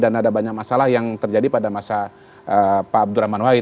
dan ada banyak masalah yang terjadi pada masa pak abdurrahman wahid